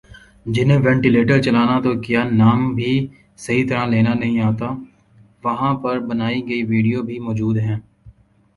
جنہیں وینٹیلیٹر چلانا تو کیا نام بھی صحیح طرح لینا نہیں آتا وہاں پر بنائی گئی ویڈیو بھی موجود ہیں